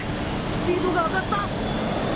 スピードが上がった！